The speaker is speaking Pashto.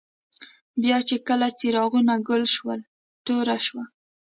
بیا چي کله څراغونه ګل شول، توره شوه.